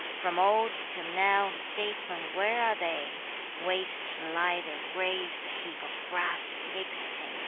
From old till now the statesmen where are they? Waste lie their graves, a heap of grass, extinct.